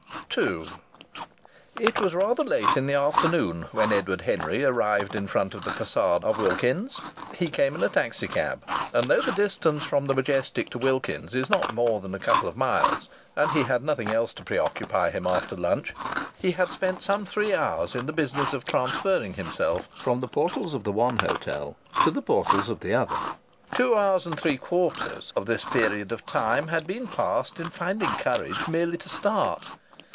II It was rather late in the afternoon when Edward Henry arrived in front of the façade of Wilkins's. He came in a taxi cab, and though the distance from the Majestic to Wilkins's is not more than a couple of miles, and he had had nothing else to preoccupy him after lunch, he had spent some three hours in the business of transferring himself from the portals of the one hotel to the portals of the other. Two hours and three quarters of this period of time had been passed in finding courage merely to start.